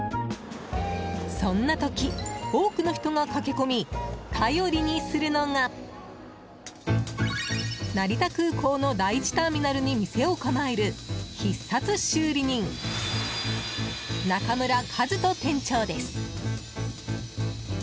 そんな時、多くの人が駆け込み頼りにするのが成田空港の第１ターミナルに店を構える必殺修理人中村一登店長です。